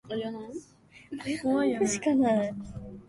出町橋や出雲路橋を渡って川の流れをのぞみ、